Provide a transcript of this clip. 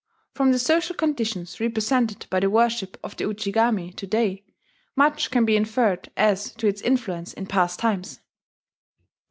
From the social conditions represented by the worship of the Ujigami to day, much can be inferred as to its influence in past times.